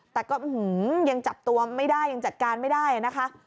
แต่ก็ยังจับตัวไม่ได้ยังจัดการไม่ได้นะคะ